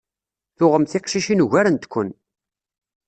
Tuɣem tiqcicin ugarent-ken.